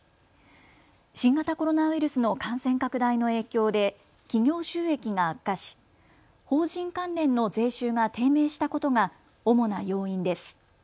新型コロナウイルスの感染拡大の影響で企業収益が悪化し法人関連の税収が低迷したことが主な要因です。